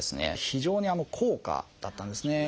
非常に高価だったんですね。